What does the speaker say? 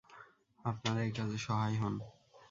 আপনারা এ কাজে সহায় হোন।